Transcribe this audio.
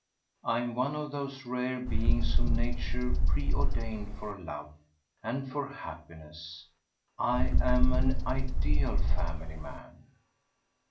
I am one of those rare beings whom Nature pre ordained for love and for happiness. I am an ideal family man.